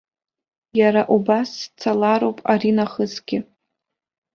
Иара убас сцалароуп аринахысгьы!